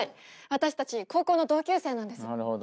私たち高校の同級生なんです